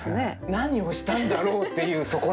何をしたんだろうっていうそこね。